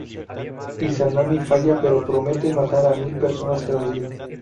Izanami falla, pero promete matar a mil personas cada día.